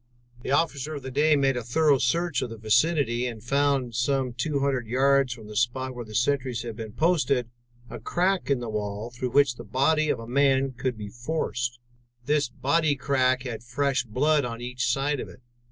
"The officer of the day made a thorough search of the vicinity and found, some two hundred yards from the spot where the sentries had been posted, a crack in the wall through which the body of a man could be forced. This bodycrack had fresh blood on each side of it.